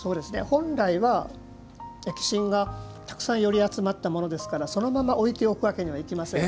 本来は、疫神がたくさん寄り集まったものですからそのまま置いておくわけにはいきません。